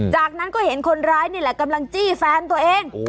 จากนั้นก็เห็นคนร้ายนี่แหละกำลังจี้แฟนตัวเอง